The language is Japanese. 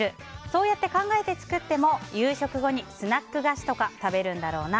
そうやって考えて作っても夕食後にスナック菓子とか食べるんだろうな。